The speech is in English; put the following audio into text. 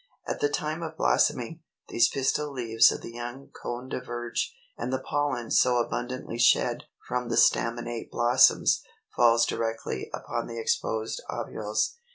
At the time of blossoming, these pistil leaves of the young cone diverge, and the pollen, so abundantly shed from the staminate blossoms, falls directly upon the exposed ovules.